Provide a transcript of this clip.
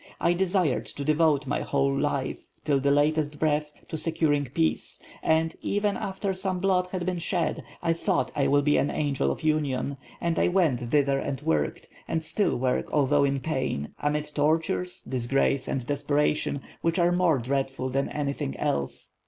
I desired to devote my whole life, till my latest breath, to securing peace; and, even after some blood had been shed, I thought, I will be an angel of union; and I went thither and worked, and still work although in pain, amid tortures, disgrace and desperation, which are more dreadful than anything else.